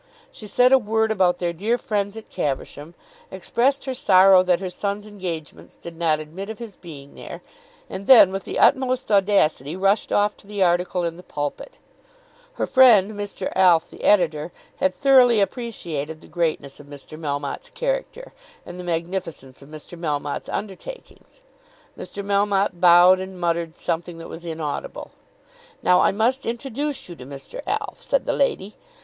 She said a word about their dear friends at Caversham, expressed her sorrow that her son's engagements did not admit of his being there, and then with the utmost audacity rushed off to the article in the "Pulpit." Her friend, Mr. Alf, the editor, had thoroughly appreciated the greatness of Mr. Melmotte's character, and the magnificence of Mr. Melmotte's undertakings. Mr. Melmotte bowed and muttered something that was inaudible. "Now I must introduce you to Mr. Alf," said the lady.